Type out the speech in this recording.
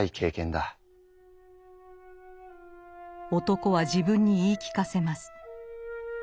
男は自分に言い聞かせます。